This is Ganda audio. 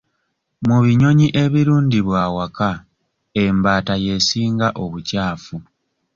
Mu binyonyi ebirundibwa awaka embaata y'esinga obukyafu.